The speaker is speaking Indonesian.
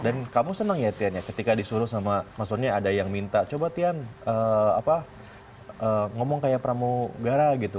dan kamu senang ya tian ketika disuruh sama maksudnya ada yang minta coba tian ngomong kayak pramugara gitu